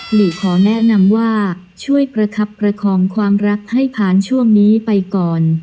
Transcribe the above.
หลีขอแนะนำว่าช่วยประคับประคองความรักให้ผ่านช่วงนี้ไปก่อน